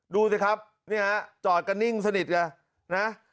ดูสิครับนี่ค่ะจอดก็นิ่งสนิทไงนะ